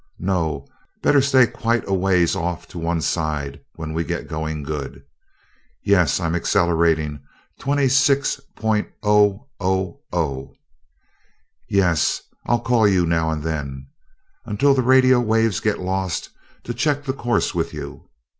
No, better stay quite a ways off to one side when we get going good.... Yes, I'm accelerating twenty six point oh oh oh.... Yes. I'll call you now and then, until the radio waves get lost, to check the course with you.